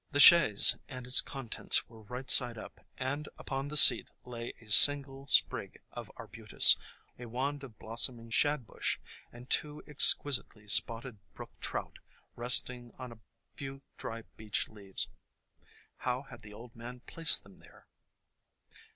The chaise and its con tents were right side up, and upon the seat lay a single sprig of Arbutus, a wand of blossoming Shadbush, and two exquisitely spotted brook trout resting on a few dry beech leaves. How had the old man placed them there?